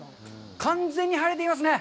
完全に晴れていますね。